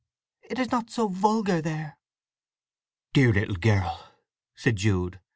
It is not so vulgar there!" "Dear little girl," said Jude.